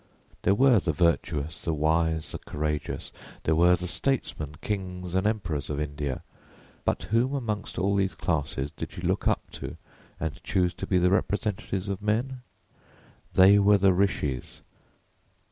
There were the virtuous, the wise, the courageous; there were the statesmen, kings and emperors of India; but whom amongst all these classes did she look up to and choose to be the representative of men? They were the rishis.